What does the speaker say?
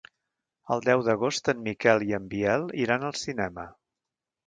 El deu d'agost en Miquel i en Biel iran al cinema.